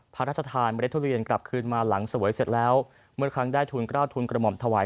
พระราชทานเมล็ดทุเรียนกลับคืนมาหลังเสวยเสร็จแล้วเมื่อครั้งได้ทุนกล้าวทุนกระหม่อมถวาย